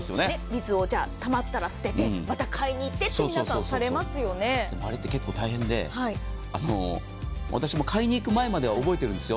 水がたまったら捨ててまた買いに行ってってあれ、結構大変で私も買いに行く前までは覚えているんです。